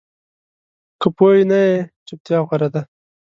که پوه نه یې، چُپتیا غوره ده